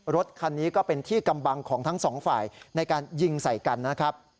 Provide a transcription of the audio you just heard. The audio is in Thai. รถคันนี้ก็เป็นที่กำบังของทั้งสองฝ่ายในการยิงใส่กันนะครับ